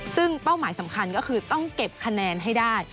ซึ่งเป้าหมายสำคัญก็คือต้องเก็บคะแนนให้ได้